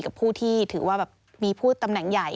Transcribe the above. กับผู้ที่ถือว่าแบบมีผู้ตำแหน่งใหญ่